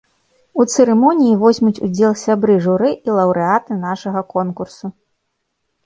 У цырымоніі возьмуць удзел сябры журы і лаўрэаты нашага конкурсу.